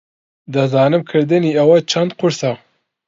دەزانم کردنی ئەوە چەند قورسە.